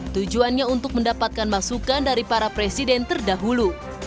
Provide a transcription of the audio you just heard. tujuannya untuk mendapatkan masukan dari para presiden terdahulu